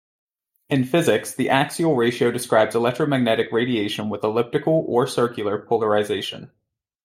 In "physics", the axial ratio describes electromagnetic radiation with elliptical, or circular, polarization.